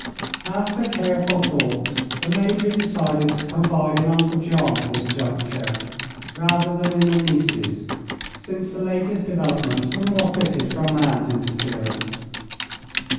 After careful thought the Major decided to confide in Uncle John, at this juncture, rather than in the nieces; since the latest developments were more fitted for a man's interference.